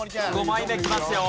５枚目きますよ。